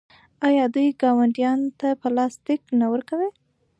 آیا دوی ګاونډیانو ته پلاستیک نه ورکوي؟